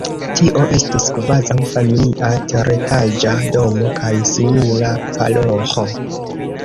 Tio estis kvazaŭ familia teretaĝa domo kaj simila paroĥo.